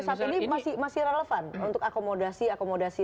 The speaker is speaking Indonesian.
masih relevan untuk akomodasi akomodasi